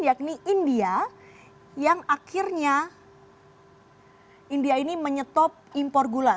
yakni india yang akhirnya india ini menyetop impor gula